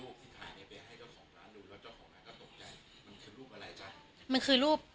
ไปให้เจ้าของร้านดูแล้วเจ้าของร้านก็ตกใจมันคือรูปอะไรจ๊ะ